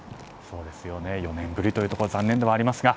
４年ぶりということで残念ではありますが。